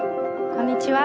こんにちは。